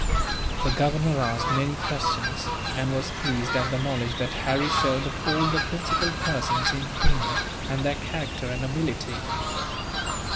The Governor asked many questions, and was pleased at the knowledge that Harry showed of all the principal persons in Poona, and their character and ability.